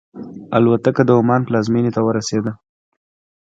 الوتکه د عمان پلازمینې ته ورسېده.